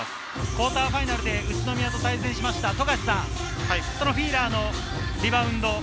クオーターファイナルで宇都宮と対戦しました富樫さん、フィーラーのリバウンド